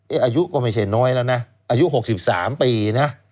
อายุก็ไม่ใช่น้อยแล้วนะอายุ๖๓ปีนะ